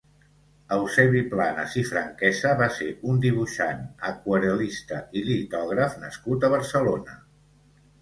Eusebi Planas i Franquesa va ser un dibuixant, aquarel·lista i litògraf nascut a Barcelona.